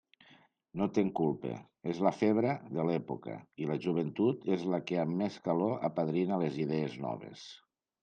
No te'n culpe; és la febre de l'època, i la joventut és la que amb més calor apadrina les idees noves.